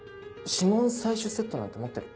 指紋採取セットなんて持ってる？